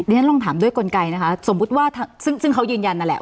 ฉันลองถามด้วยกลไกนะคะสมมุติว่าซึ่งเขายืนยันนั่นแหละ